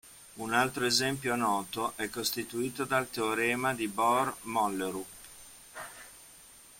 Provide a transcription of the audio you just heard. Un altro esempio noto è costituito dal teorema di Bohr-Mollerup.